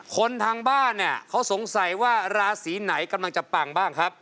คนทางบ้านเนี่ยเขาสงสัยว่าราศีไหนกำลังจะปังบ้างครับ